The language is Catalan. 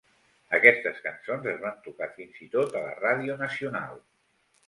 Aquestes cançons es van tocar fins i tot a la ràdio nacional.